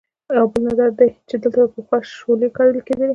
یو بل نظر دی چې دلته به پخوا شولې کرلې کېدې.